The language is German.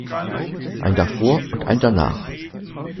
Ein "Davor" und ein "Danach".